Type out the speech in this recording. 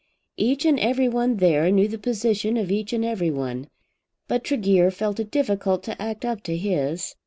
Each and everyone there knew the position of each and everyone; but Tregear felt it difficult to act up to his.